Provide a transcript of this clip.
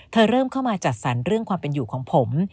เริ่มเข้ามาจัดสรรเรื่องความเป็นอยู่ของผม